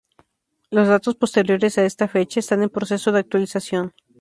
Los datos posteriores a esa fecha están en proceso de actualización.